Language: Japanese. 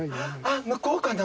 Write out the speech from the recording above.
あっ向こうかな？